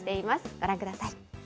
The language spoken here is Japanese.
ご覧ください。